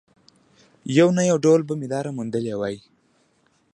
يو نه يو ډول به مې لاره موندلې وای.